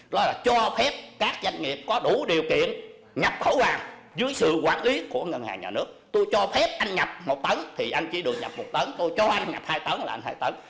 tôi cho phép anh nhập một tấn thì anh chỉ được nhập một tấn tôi cho anh nhập hai tấn là anh nhập hai tấn